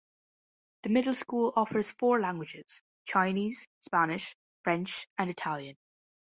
The middle school offers four languages: Chinese, Spanish, French, and Italian.